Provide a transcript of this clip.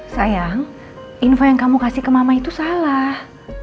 sayang info yang kamu kasih ke mama itu salah